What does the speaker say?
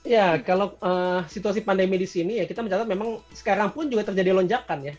ya kalau situasi pandemi di sini ya kita mencatat memang sekarang pun juga terjadi lonjakan ya